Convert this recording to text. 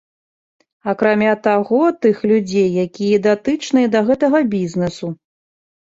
Акрамя таго, тых людзей, якія датычныя да гэтага бізнесу.